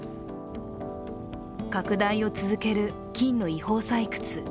拡大を続ける金の違法採掘。